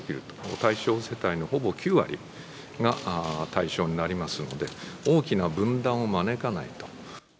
対象世帯のほぼ９割が対象になりますので、大きな分断を招かないと。